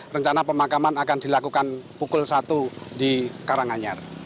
rencana pemakaman akan dilakukan pukul satu di karanganyar